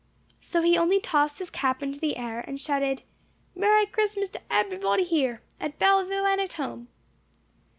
So he only tossed his cap into the air, and shouted, "Merry Christmas to ebbery body here, at Bellevue and at home!"